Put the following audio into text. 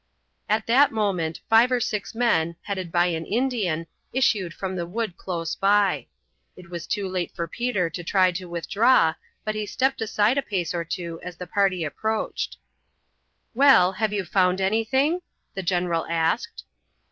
At that moment five or six men, headed by an Indian, issued from the wood close by. It was too late for Peter to try to withdraw, but he stepped aside a pace or two as the party approached. "Well, have you found anything?" the general asked.